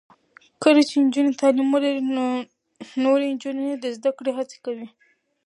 کله چې نجونې تعلیم ولري، نو نورې نجونې هم د زده کړې هڅې کوي.